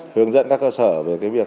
hướng dẫn các cơ sở về cái việc